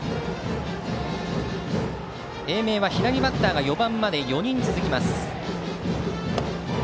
英明は左バッターが４番まで４人続きます。